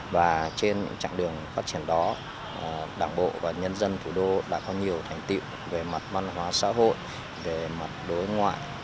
và trên những trạng đường phát triển đó đảng bộ và nhân dân thủ đô đã có nhiều thành tiệu về mặt văn hóa xã hội về mặt đối ngoại